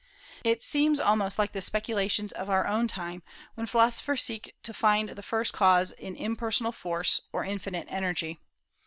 It seems almost like the speculations of our own time, when philosophers seek to find the first cause in impersonal Force, or infinite Energy.